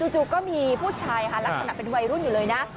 จู่ก็มีผู้ชายค่ะลักษณะเป็นวัยรุ่นอยู่เลยนะ